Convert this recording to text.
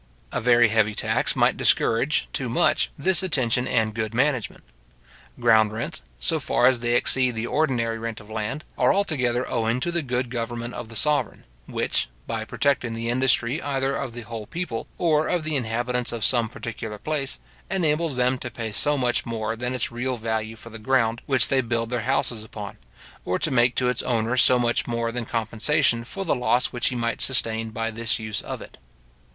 A very heavy tax might discourage, too much, this attention and good management. Ground rents, so far as they exceed the ordinary rent of land, are altogether owing to the good government of the sovereign, which, by protecting the industry either of the whole people or of the inhabitants of some particular place, enables them to pay so much more than its real value for the ground which they build their houses upon; or to make to its owner so much more than compensation for the loss which he might sustain by this use of it.